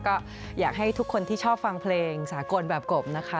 ก็อยากให้ทุกคนที่ชอบฟังเพลงสากลแบบกบนะคะ